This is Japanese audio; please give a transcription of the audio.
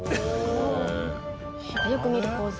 おおよく見るポーズ。